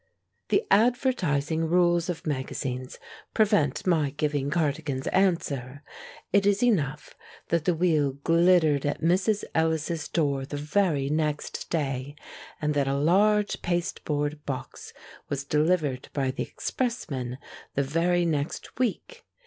The advertising rules of magazines prevent my giving Cardigan's answer; it is enough that the wheel glittered at Mrs. Ellis's door the very next day, and that a large pasteboard box was delivered by the expressman the very next week.